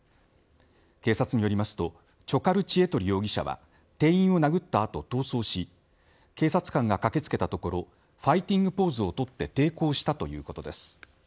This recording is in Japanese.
警察によりますとチョカルチエトリ容疑者は店員を殴った後逃走し警察官が駆け付けたところファイティングポーズをとって抵抗したということです。